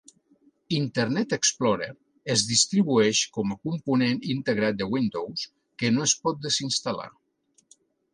Internet Explorer es distribueix com a component integrat de Windows que no es pot desinstal·lar.